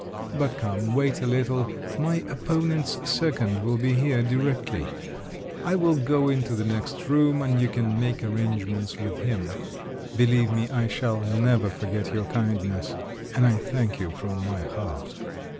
… But come, wait a little, my opponent's second will be here directly. I will go into the next room, and you can make arrangements with him. Believe me I shall never forget your kindness, and I thank you from my heart."